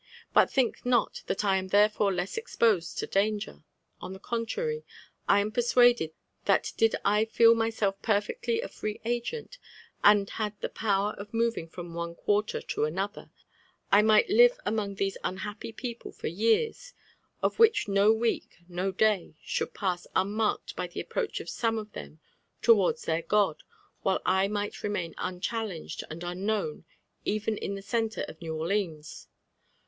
But think not that I am therefore less exposed to danger. On thd contrary, I am persuaded that did I feel myself perfectly a free agent, and had the power of moving from one quarter to another, I might live among these unhappy people for years, of which no week, no day should pass unmarked by the approach of some of them towards their God, while I might remain unchallenged and unknown even in the centre of New Orleans."